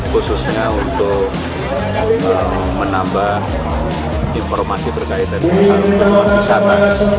khususnya untuk menambah informasi berkaitan dengan kawasan wisata